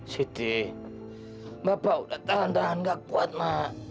siti bapak udah tahan tahan gak kuat mak